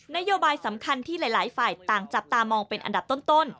นโยบายสำคัญที่หลายฝ่ายต่างจับตามองเป็นอันดับต้น